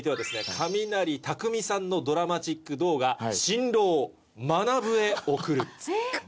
カミナリ・たくみさんのドラマチック動画「新郎・まなぶへ贈る」。